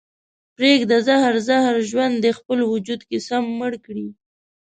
پرېږده زهر زهر ژوند دې خپل وجود کې سم مړ کړي